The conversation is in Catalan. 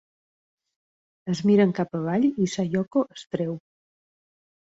Es miren cap avall i Sayoko es treu.